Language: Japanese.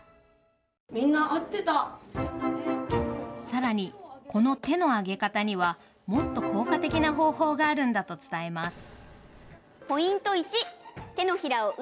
さらにこの手のあげ方にはもっと効果的な方法があるんだと伝えます。